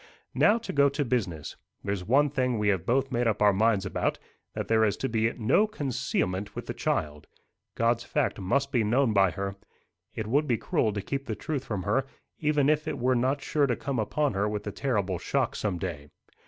Now to go to business. There's one thing we have both made up our minds about that there is to be no concealment with the child. God's fact must be known by her. It would be cruel to keep the truth from her, even if it were not sure to come upon her with a terrible shock some day.